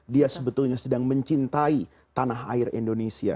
dia sebetulnya sedang mencintai tanah air indonesia